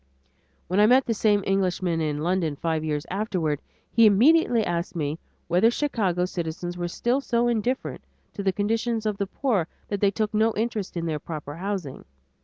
When I met the same Englishman in London five years afterward, he immediately asked me whether Chicago citizens were still so indifferent to the conditions of the poor that they took no interest in their proper housing.